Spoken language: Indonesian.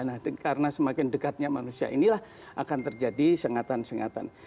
nah karena semakin dekatnya manusia inilah akan terjadi sengatan sengatan